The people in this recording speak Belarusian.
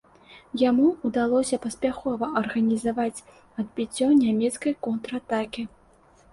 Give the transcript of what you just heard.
Яму ўдалося паспяхова арганізаваць адбіццё нямецкай контратакі.